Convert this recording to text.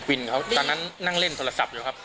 วินเขาตอนนั้นนั่งเล่นโทรศัพท์อยู่ครับ